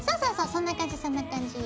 そんな感じそんな感じ。